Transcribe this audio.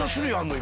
今。